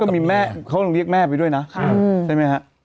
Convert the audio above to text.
มีแม่เขาเรียกแม่ไปด้วยนะใช่ไหมฮะ